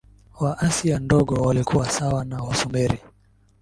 wa Asia Ndogo walikuwa sawa na Wasumeri